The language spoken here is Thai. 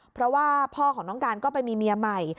เพราะว่าพ่อของน้องการก็ไปมีเมียใหม่